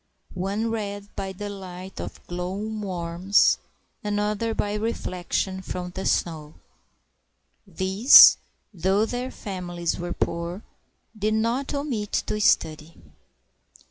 One read by the light of glow worms, another by reflec tion from the snow; These, though their families were poor, did not omit to study.